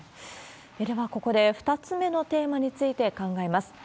では、ここで２つ目のテーマについて考えます。